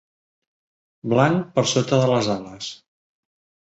Blanc per sota de les ales.